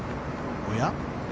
おや？